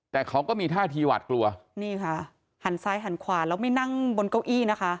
แต่เขาก็มีท่าทีหวาดกลัวนี่ค่ะหันซ้ายหันขวาแล้วไม่นั่งบนเก้าอี้นะคะ